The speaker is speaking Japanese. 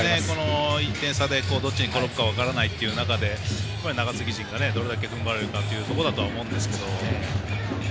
１点差でどっちに転ぶか分からないという中で中継ぎ陣がどれだけふんばれるかということだと思うんですけど。